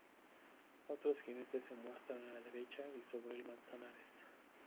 Otros jinetes se muestran a la derecha y sobre el Manzanares.